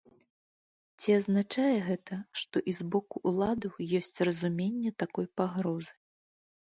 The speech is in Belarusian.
Ці азначае гэта, што і з боку ўладаў ёсць разуменне такой пагрозы?